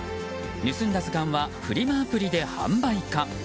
盗んだ図鑑はフリマアプリで販売か？